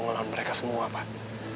ngelawan mereka semua pak